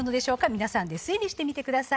皆さんで推理してみてください